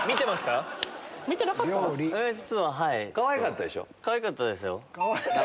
かわいかったでしょ？